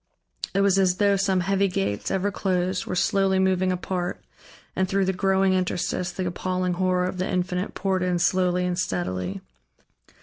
It was as though some heavy gates, ever closed, were slowly moving apart, and through the growing interstice the appalling horror of the Infinite poured in slowly and steadily.